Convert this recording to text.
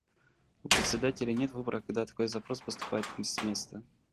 У Председателя нет выбора, когда такой запрос поступает с места.